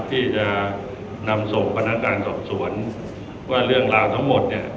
ที่จะนำส่งพนักงานสอบสวนว่าเรื่องราวทั้งหมดเนี่ย